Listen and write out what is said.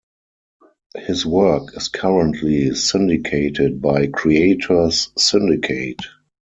His work is currently syndicated by Creators Syndicate.